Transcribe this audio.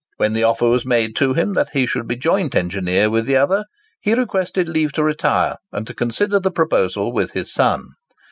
When the offer was made to him that he should be joint engineer with the other, he requested leave to retire and consider the proposal with his son.